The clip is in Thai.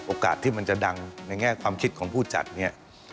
โอกาสที่มันจะดังในแง่ความคิดของผู้จัดเนี่ย